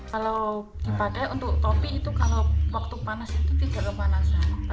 kalau dipakai untuk topi itu kalau waktu panas itu tidak kepanasan